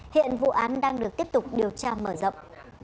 hiện vụ án đang được tiếp tục điều tra mở rộng